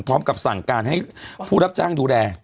พร้อมกับสั่งการให้ผู้รับจ้างดูแล